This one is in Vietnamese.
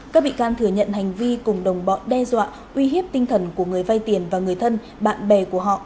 các bị can thừa nhận hành vi cùng đồng bọn đe dọa uy hiếp tinh thần của người vay tiền và người thân bạn bè của họ